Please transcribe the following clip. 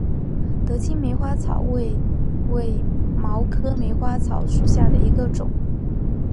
德钦梅花草为卫矛科梅花草属下的一个种。